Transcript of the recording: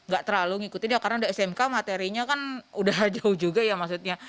gak terlalu ngikutin ya karena udah smk materinya kan udah jauh juga ya maksudnya